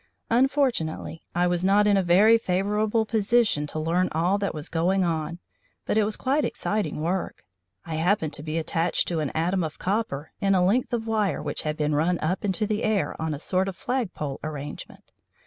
Unfortunately I was not in a very favourable position to learn all that was going on, but it was quite exciting work. I happened to be attached to an atom of copper in a length of wire which had been run up into the air on a sort of flag pole arrangement.